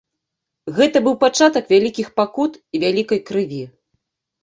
Гэта быў пачатак вялікіх пакут і вялікай крыві.